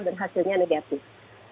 dan hasilnya negatif